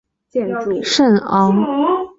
圣昂图万坎翁。